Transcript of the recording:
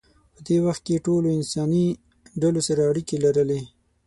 په دې وخت کې ټولو انساني ډلو سره اړیکې لرلې.